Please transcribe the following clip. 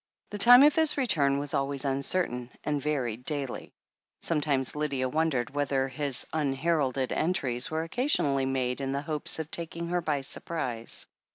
The time of his return was always uncertain and varied daily. Sometimes Lydia wondered whether his un heralded entries were occasionally made in the hopes of taking her by surprise.